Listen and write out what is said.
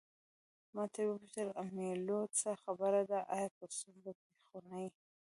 ما ترې وپوښتل امیلیو څه خبره ده آیا په ستونزه کې خو نه یې.